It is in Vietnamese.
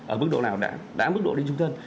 ở mức độ nào đã mức độ lên trung thân